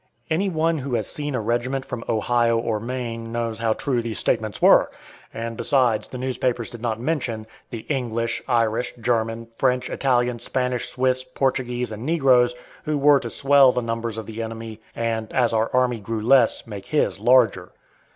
Any one who has seen a regiment from Ohio or Maine knows how true these statements were. And besides, the newspapers did not mention the English, Irish, German, French, Italian, Spanish, Swiss, Portuguese, and negroes, who were to swell the numbers of the enemy, and as our army grew less make his larger.